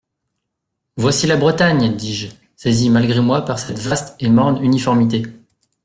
«Voici la Bretagne ! dis-je, saisi malgré moi par cette vaste et morne uniformité.